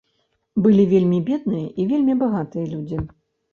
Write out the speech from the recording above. Былі вельмі бедныя і вельмі багатыя людзі.